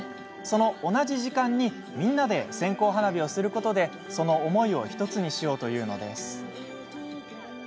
その同じ時間にみんなで線香花火をすることでその思いを１つにしようというのです。